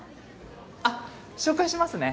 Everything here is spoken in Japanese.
あっ紹介しますね